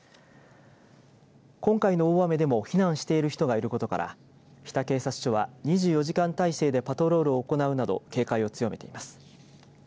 今回の大雨でも避難している人がいることから日田警察署は２４時間態勢でパトロールを行うなど警戒を強めています。